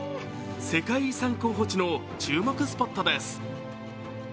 世界遺産候補地の注目スポットです。